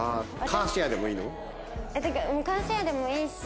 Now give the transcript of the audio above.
カーシェアでもいいし。